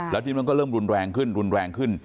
แล้วทีนี้มันก็เริ่มรุนแรงขึ้นรุนแรงขึ้น